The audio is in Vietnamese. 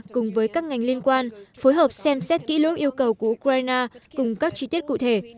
cùng với các ngành liên quan phối hợp xem xét kỹ lưỡng yêu cầu của ukraine cùng các chi tiết cụ thể